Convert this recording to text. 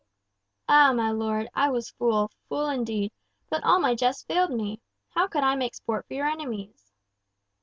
"Ah! my lord, I was fool, fool indeed, but all my jests failed me. How could I make sport for your enemies?"